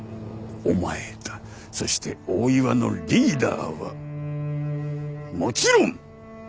そして大岩のリーダーはもちろん！